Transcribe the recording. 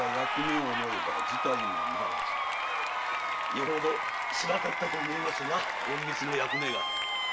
よほどつらかったとみえますな隠密の役目が。